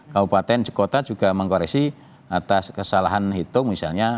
kabupaten di kota juga mengkoreksi atas kesalahan hitung misalnya